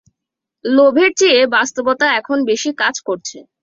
লোভের চেয়ে বাস্তবতা এখন বেশি কাজ করছে।